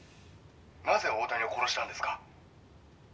「なぜ大谷を殺したんですか？」